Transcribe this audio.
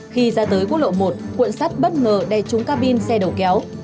khi ra tới quốc lộ một cuộn sắt bất ngờ đè trúng ca bin xe đầu kéo